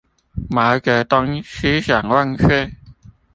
毛澤東思想萬歲